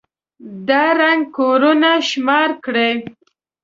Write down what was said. دا ړنـګ كورونه شمار كړئ.